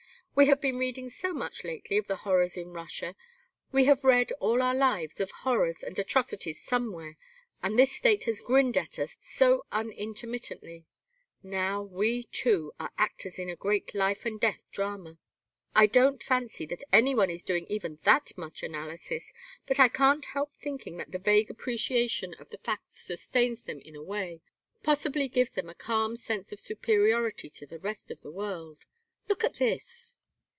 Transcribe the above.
We have been reading so much lately of the horrors in Russia, we have read, all our lives, of horrors and atrocities somewhere, and this State has grinned at us so unintermittently. Now we, too, are actors in a great life and death drama. I don't fancy any one is doing even that much analysis, but I can't help thinking that the vague appreciation of the fact sustains them in a way possibly gives them a calm sense of superiority to the rest of the world Look at this."